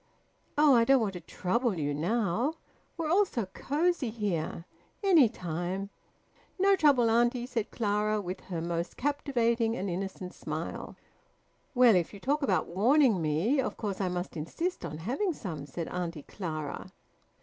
"Oh, I don't want to trouble you now. We're all so cosy here. Any time " "No trouble, auntie," said Clara, with her most captivating and innocent smile. "Well, if you talk about `warning' me, of course I must insist on having some," said Auntie Clara.